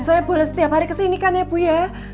saya boleh setiap hari kesini kan ya bu ya